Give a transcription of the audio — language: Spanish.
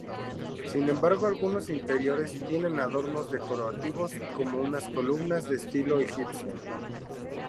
Sin embargo, algunos interiores tienen adornos decorativos, como unas columnas de estilo egipcio.